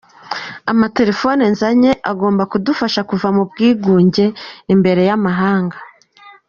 Amatelefone nzanye agomba kudufahsa kuva mu bwigunge imbere y’amahanga”.